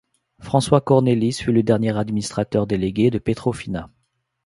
François Cornélis fut le dernier administrateur délégué de Petrofina.